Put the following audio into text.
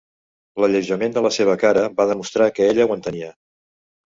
L'alleujament de la seva cara va demostrar que ella ho entenia.